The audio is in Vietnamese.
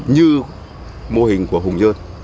như mô hình của hùng nhơn